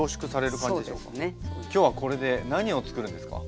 今日はこれで何を作るんですか？